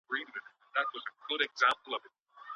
په شخړو کي د نجلۍ ورکول ظلم دی.